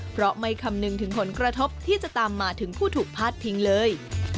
เพราะไม่คำนึงถึงผลกระทบที่จะตามมาถึงผู้ถูกพาดพิงเลย